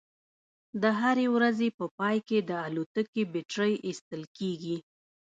د هرې ورځې په پای کې د الوتکې بیټرۍ ایستل کیږي